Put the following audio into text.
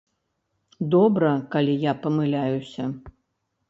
Добра, калі я памыляюся.